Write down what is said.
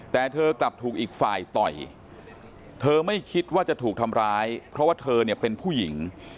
แต่เธอกลับถูกอีกฝ่ายต่อยเธอไม่คิดว่าจะถูกทำร้ายเพราะว่าเธอเนี่ยเป็นผู้หญิง